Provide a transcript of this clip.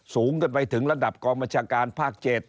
สูงกันไปถึงระดับกองบัญชาการภาค๗